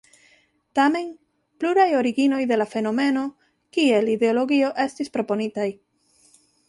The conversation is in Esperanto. Tamen, pluraj originoj de la fenomeno kiel ideologio estis proponitaj.